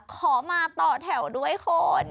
ขอมาต่อแถวด้วยคุณ